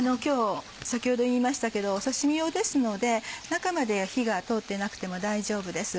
先ほど言いましたけど刺し身用ですので中まで火が通ってなくても大丈夫です。